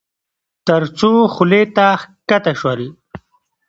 تر څو خولې ته کښته شول.